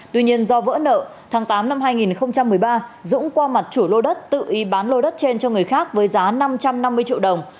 tuy nhiên do vỡ nợ tháng tám năm hai nghìn một mươi ba dũng qua mặt chủ lô đất tự y bán lô đất trên cho người khác với giá năm trăm năm mươi triệu đồng